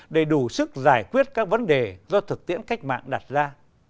để đủ sức giải quyết các vấn đề do thực tiễn cách mạng đặt ra